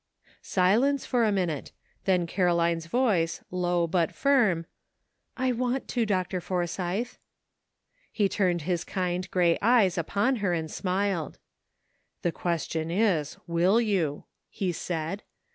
Silence for a minute, then Caroline's voice, low but firm, "I want to. Dr. Forsythe." He turned his kind gray eyes upon her and smiled. "The question is, will you? " he said.